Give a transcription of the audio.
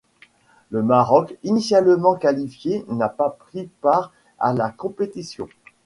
Le Maroc, initialement qualifié, n'a pas pris part à la compétition.